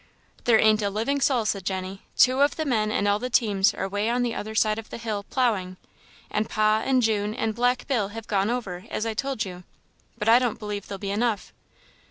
"There ain't a living soul!" said Jenny; "two of the men and all the teams are 'way on the other side of the hill, ploughing, and pa, and June, and Black Bill have gone over, as I told you; but I don't believe they'll be enough.